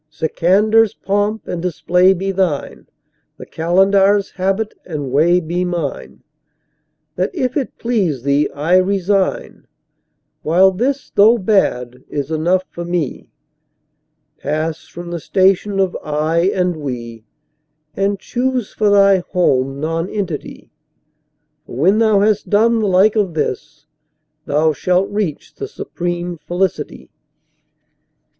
Sikandar's3 pomp and display be thine, the Qalandar's4 habit and way be mine; That, if it please thee, I resign, while this, though bad, is enough for me. Pass from the station of "I" and "We," and choose for thy home Nonentity, For when thou has done the like of this, thou shalt reach the supreme Felicity.